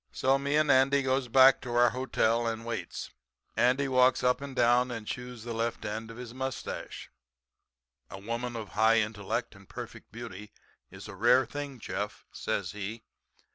"So me and Andy goes back to our hotel and waits. Andy walks up and down and chews the left end of his mustache. "'A woman of high intellect and perfect beauty is a rare thing, Jeff,' says he.